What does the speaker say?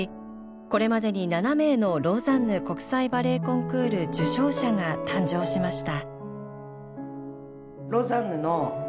これまでに７名のローザンヌ国際バレエコンクール受賞者が誕生しました。